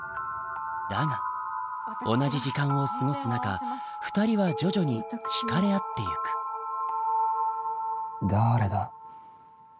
だが同じ時間を過ごす中２人は徐々に惹かれ合ってゆくだーれだ。